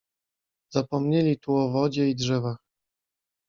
"Zapomnieli tu o wodzie i drzewach."